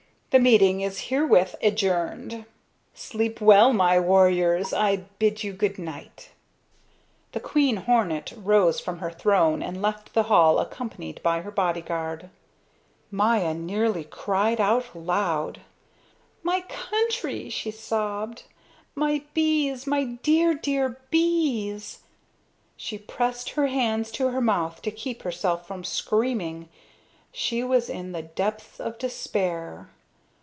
The meeting is herewith adjourned. Sleep well, my warriors. I bid you good night." The queen hornet rose from her throne and left the hall accompanied by her body guard. Maya nearly cried out loud. "My country!" she sobbed, "my bees, my dear, dear bees!" She pressed her hands to her mouth to keep herself from screaming. She was in the depths of despair.